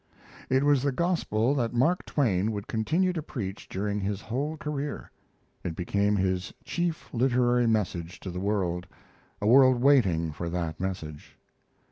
It was the gospel that Mark Twain would continue to preach during his whole career. It became his chief literary message to the world a world waiting for that message.